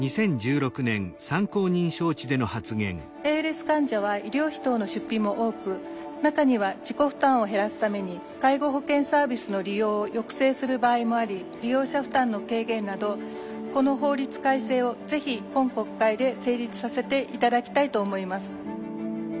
ＡＬＳ患者は医療費等の出費も多く中には自己負担を減らすために介護保険サービスの利用を抑制する場合もあり利用者負担の軽減などこの法律改正をぜひ今国会で成立させて頂きたいと思います。